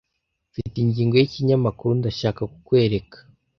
Mfite ingingo yikinyamakuru Ndashaka kukwereka.